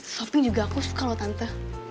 shopping juga aku suka kalau tante